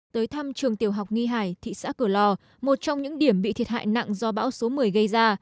tới thăm trường tiểu học nghi hải thị xã cửa lò một trong những điểm bị thiệt hại nặng do bão số một mươi gây ra